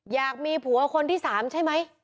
อยากมีผัวคนที่๓ใช่ไหม